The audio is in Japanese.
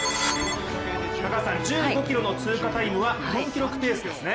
１５ｋｍの通過タイムは日本記録ペースですね。